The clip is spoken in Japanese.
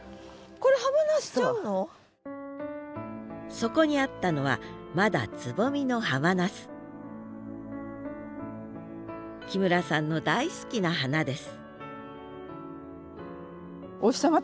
そこにあったのはまだつぼみのハマナス木村さんの大好きな花です